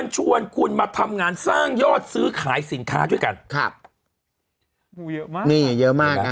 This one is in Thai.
ชวนคุณมาทำงานสร้างยอดซื้อขายสินค้าด้วยกันครับเยอะมากนี่เยอะมากนะฮะ